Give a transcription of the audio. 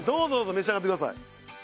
召し上がってください。